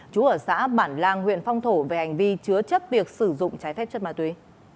chú ở xã bản lang huyện phong thổ về hành vi chứa chấp việc sử dụng trái phép chất ma túy